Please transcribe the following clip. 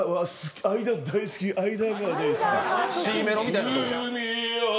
間、大好き、間。